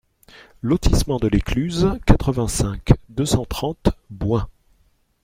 Lotissement de l'Écluse, quatre-vingt-cinq, deux cent trente Bouin